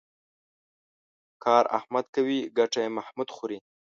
کار احمد کوي ګټه یې محمود خوري.